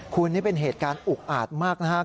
คุณนี่เป็นเหตุการณ์อุกอาจมากนะครับ